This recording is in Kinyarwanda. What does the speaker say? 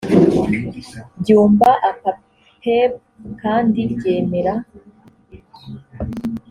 byumba apapeb kandi ryemera